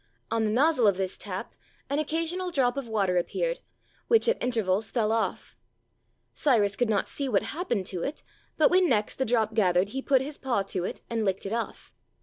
On the nozzle of this tap an occasional drop of water appeared, which at intervals fell off. Cyrus could not see what happened to it, but when next the drop gathered he put his paw to it and licked it off.